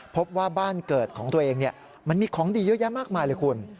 พบว่าบ้านเกิดของตัวเองมันมีของดีเยอะแยะมากมายเลยคุณ